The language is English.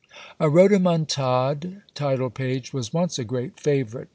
A rhodomontade title page was once a great favourite.